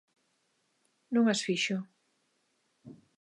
Non as fixo.